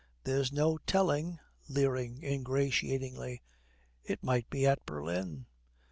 'There's no telling' leering ingratiatingly 'It might be at Berlin.'